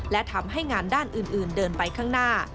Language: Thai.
และทำให้งานด้านอื่นเดินไปข้างหน้า